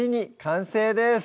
完成です